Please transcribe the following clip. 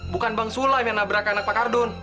bukan bang sulam yang nabrakan anak pak kardun